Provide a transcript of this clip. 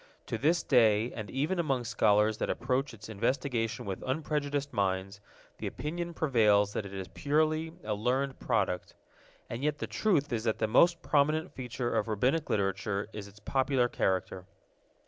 To this day, and even among scholars that approach its investigation with unprejudiced minds, the opinion prevails that it is purely a learned product. And yet the truth is that the most prominent feature of Rabbinic Literature is its popular character.